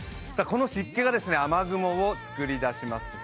この湿気が雨雲を作り出します。